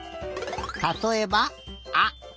たとえば「あ」。